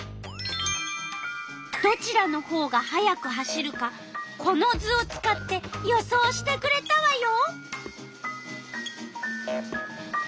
どちらのほうが速く走るかこの図を使って予想してくれたわよ。